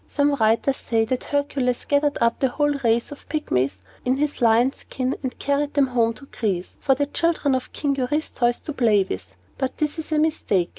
Some writers say, that Hercules gathered up the whole race of Pygmies in his lion's skin, and carried them home to Greece, for the children of King Eurystheus to play with. But this is a mistake.